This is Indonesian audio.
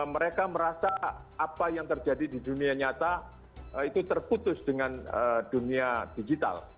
mereka merasa apa yang terjadi di dunia nyata itu terputus dengan dunia digital